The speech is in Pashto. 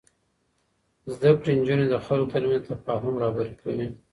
زده کړې نجونې د خلکو ترمنځ تفاهم رهبري کوي.